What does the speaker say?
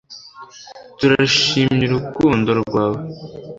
turashimy'urukundo rwawe